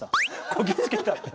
「こぎ着けた」って。